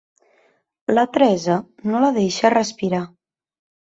La Teresa no la deixa respirar.